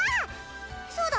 そうだ。